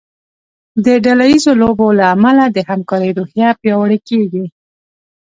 د ډله ییزو لوبو له امله د همکارۍ روحیه پیاوړې کیږي.